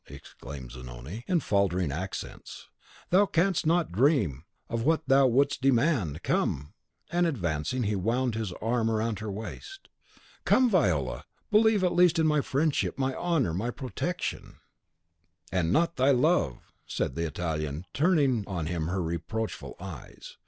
exclaimed Zanoni, in faltering accents. "Thou canst not dream of what thou wouldst demand, come!" and, advancing, he wound his arm round her waist. "Come, Viola; believe at least in my friendship, my honour, my protection " "And not thy love," said the Italian, turning on him her reproachful eyes.